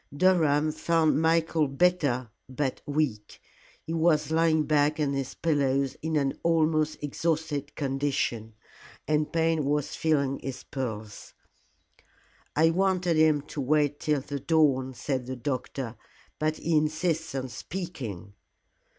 Durham found Michael better but weak. He was lying back on his pillows in an almost exhausted condition, and Payne was feeling his pulse. "I wanted him to wait till the dawn," said the doctor, "but he insists on speaking."